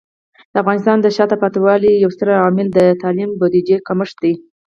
د افغانستان د شاته پاتې والي یو ستر عامل د تعلیمي بودیجې کمښت دی.